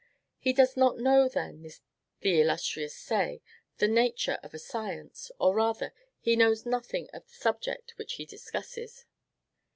He does not know, then, the illustrious Say, the nature of a science; or rather, he knows nothing of the subject which he discusses.